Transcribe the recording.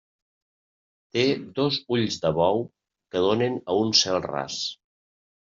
Té dos ulls de bou que donen a un cel ras.